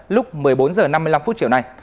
lúc một mươi bốn h năm mươi năm chiều nay